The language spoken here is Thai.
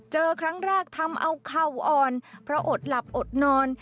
เจอครั้งแรกทำเอาเข่าอ่อนเพราะอดหลับอดนอน